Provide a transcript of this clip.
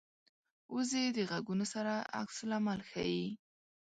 وزې د غږونو سره عکس العمل ښيي